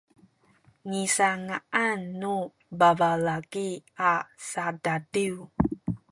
nisanga’an nu babalaki a sadadiw